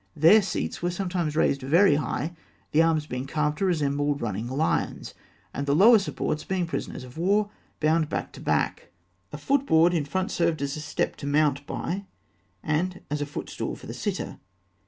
Their seats were sometimes raised very high, the arms being carved to resemble running lions, and the lower supports being prisoners of war, bound back to back (fig. 270). A foot board in front served as a step to mount by, and as a foot stool for the sitter.